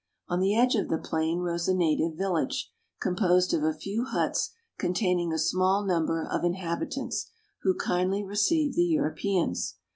On the edge ol the plain rose a native village, composed of a few huts containing a small number of inhabitants, who kindly received the Europeans.